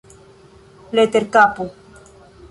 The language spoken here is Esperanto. Leterkapo.